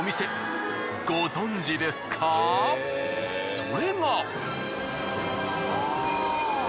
それが。